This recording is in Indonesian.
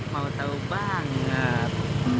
mau tahu banget